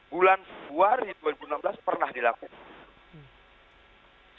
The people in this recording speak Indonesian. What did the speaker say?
bulan februari dua ribu enam belas pernah dilakukan